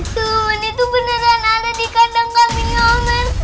siluman itu beneran ada di kandang kambingnya om rt